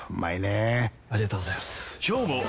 ありがとうございます！